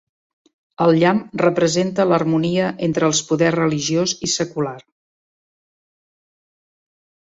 El llamp representa l'harmonia entre els poders religiós i secular.